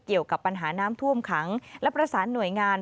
เกี่ยวกับปัญหาน้ำท่วมขังและประสานหน่วยงาน